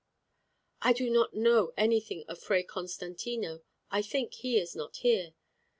"I do not know anything of Fray Constantino. I think he is not here.